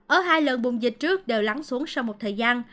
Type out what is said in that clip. ở hai lần bùng dịch trước đều lắng xuống sau một thời gian